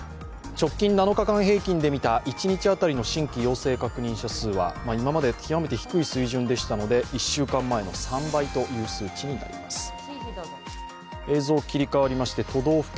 直近７日間平均で見た一日当たりの新規陽性確認者数は今まで極めて低い水準でしたので１週間前の３倍という数値になります。